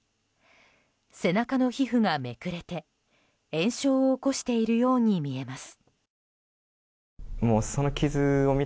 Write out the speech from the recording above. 背中の皮膚がめくれて炎症を起こしているように見えます。